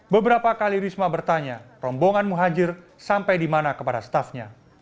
beberapa kali risma bertanya rombongan muhajir sampai di mana kepada staffnya